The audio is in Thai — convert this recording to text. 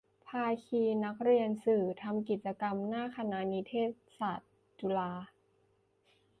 ภาคีนักเรียนสื่อ ทำกิจกรรมหน้าคณะนิเทศศาสตร์ จุฬา